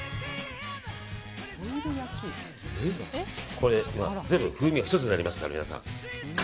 これで全部風味が１つになりますから。